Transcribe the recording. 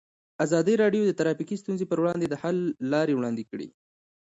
ازادي راډیو د ټرافیکي ستونزې پر وړاندې د حل لارې وړاندې کړي.